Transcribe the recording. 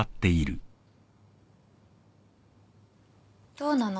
どうなの？